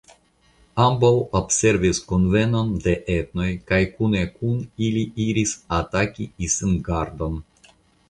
Ambaŭ observis kunvenon de entoj kaj kune kun ili iris ataki Isengardon.